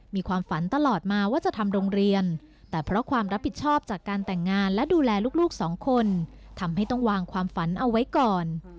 มีความฝันตลอดมาว่าจะทำโรงเรียนแต่เพราะความรับผิดชอบจากการแต่งงานและดูแลลูกสองคนทำให้ต้องวางความฝันเอาไว้ก่อน